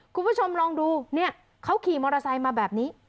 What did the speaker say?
คุณผู้ชมลองดูเนี่ยเขาขี่มอเตอร์ไซค์มาแบบนี้